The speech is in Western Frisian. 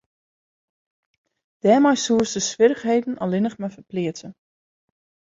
Dêrmei soest de swierrichheden allinne mar ferpleatse.